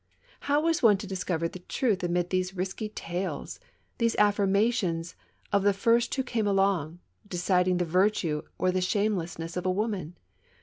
How was one to discover the truth amid these risky tales, these affirmations of the first who came along, deciding the virtue or the shamelessness of a woman?